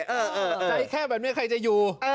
ใจแคบแบบนี้ใครจะอยู่